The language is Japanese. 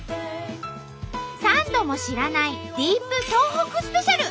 サンドも知らないディープ東北スペシャル。